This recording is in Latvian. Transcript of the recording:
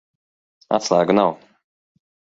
Atslēgu nav.